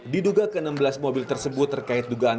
diduga ke enam belas mobil tersebut terkait dugaan